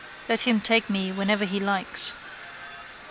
Let Him take me whenever He likes.